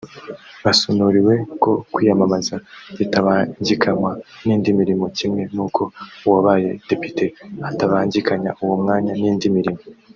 Basonuriwe ko kwiyamamaza bitabangikanywa n’indi mirimo kimwe n’uko uwabaye depite atabangikanya uwo mwanya n’indi mirimo